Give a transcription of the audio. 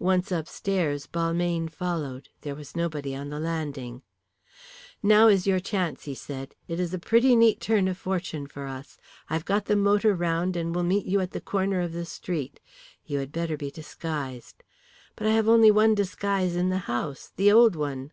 Once upstairs Balmayne followed. There was nobody on the landing. "Now is your chance," he said. "It is a pretty neat turn of fortune for us. I've got the motor round and will meet you at the corner of the street. You had better be disguised." "But I have only one disguise in the house the old one."